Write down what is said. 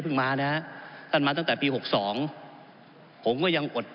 พระราชบัญญัติการเอาผิดของพนักงานในองค์กรของรัฐ